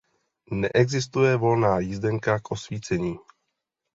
Neexistuje volná jízdenka k osvícení.